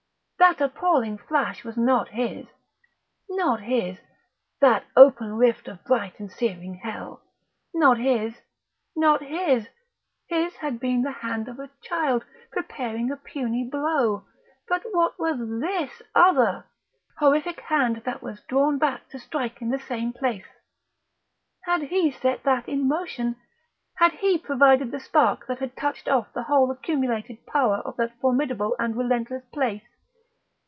That appalling flash was not his not his that open rift of bright and searing Hell not his, not his! His had been the hand of a child, preparing a puny blow; but what was this other horrific hand that was drawn back to strike in the same place? Had he set that in motion? Had he provided the spark that had touched off the whole accumulated power of that formidable and relentless place?